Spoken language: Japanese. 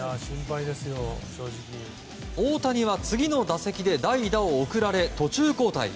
大谷は次の打席で代打を送られ途中交代。